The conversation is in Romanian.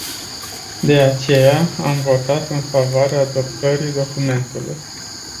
De aceea am votat în favoarea adoptării documentului.